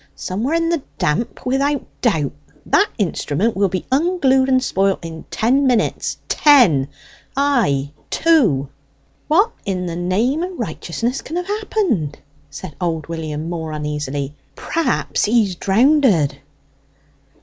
Somewhere in the damp, without doubt; that instrument will be unglued and spoilt in ten minutes ten! ay, two." "What in the name o' righteousness can have happened?" said old William, more uneasily. "Perhaps he's drownded!"